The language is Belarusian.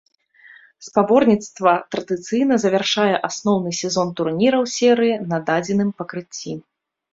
Спаборніцтва традыцыйна завяршае асноўны сезон турніраў серыі на дадзеным пакрыцці.